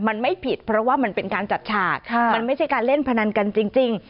มันไม่ผิดเพราะว่ามันเป็นการจัดฉากมันไม่ใช่การเล่นพนันกันจริง